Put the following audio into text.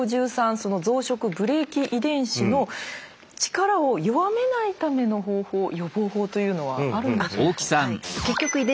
その増殖ブレーキ遺伝子の力を弱めないための方法予防法というのはあるんでしょうか？